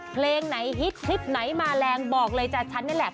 เพลงไหนฮิตคลิปไหนมาแรงบอกเลยจ้ะฉันนี่แหละ